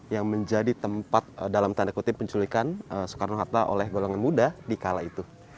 yang menjadi tempat dalam tanda kutip penculikan soekarno hatta oleh golongan muda di kala itu